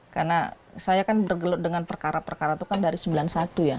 karena saya kan bergelut dengan perkara perkara itu kan dari sembilan puluh satu ya